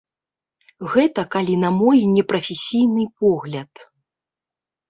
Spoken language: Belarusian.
Гэта калі на мой непрафесійны погляд.